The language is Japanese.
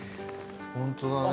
・ホントだね。